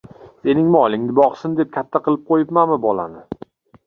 — Sening molingni boqsin, deb katta qilib qo‘yibmanmi bolani?!